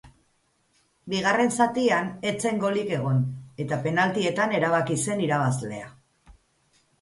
Bigarren zatian ez zen golik egon eta penaltietan erabaki zen irabazlea.